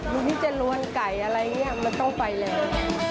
ดูที่จะรวนไก่อะไรอย่างนี้มันต้องไฟแรง